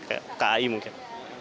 atau untuk rai mungkin